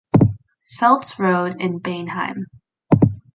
Seltz road in Beinheim.